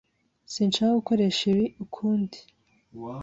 Sinshaka gukoresha ibi ukundi.